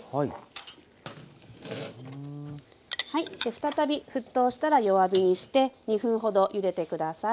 再び沸騰したら弱火にして２分ほどゆでて下さい。